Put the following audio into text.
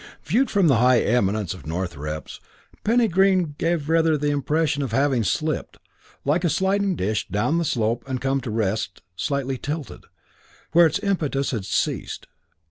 Viewed from the high eminence of Northrepps, Penny Green gave rather the impression of having slipped, like a sliding dish, down the slope and come to rest, slightly tilted, where its impetus had ceased.